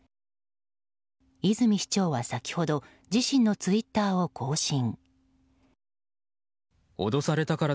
泉市長は先ほど自身のツイッターを更新。